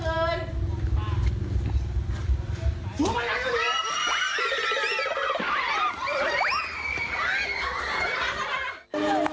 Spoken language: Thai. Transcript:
โอ๊ยมันอยากกิน